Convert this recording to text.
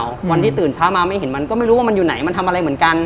วันที่ตื่นเช้ามาไม่เห็นมันก็ไม่รู้ว่ามันอยู่ไหนมันทำอะไรเหมือนกัน